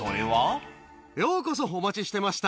ようこそ、お待ちしてました。